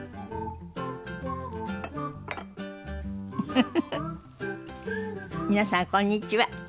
フフフフ皆さんこんにちは。